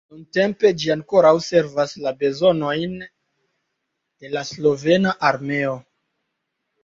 Nuntempe ĝi ankoraŭ servas la bezonojn de la slovena armeo.